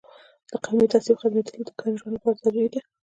د قومي تعصب ختمیدل د ګډ ژوند لپاره ضروري ده.